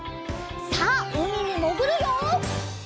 さあうみにもぐるよ！